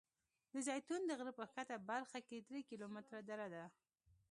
د زیتون د غره په ښکته برخه کې درې کیلومتره دره ده.